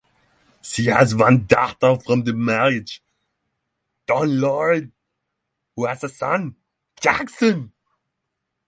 She has one daughter from the marriage, Dawn-Lorraine, who has a son, Jackson.